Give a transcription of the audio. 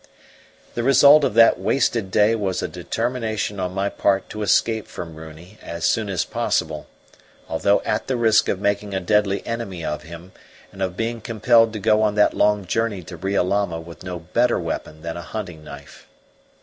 The result of that wasted day was a determination on my part to escape from Runi as soon as possible, although at the risk of making a deadly enemy of him and of being compelled to go on that long journey to Riolama with no better weapon than a hunting knife.